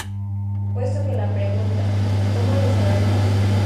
Puesto que la pregunta "¿Cómo lo sabemos?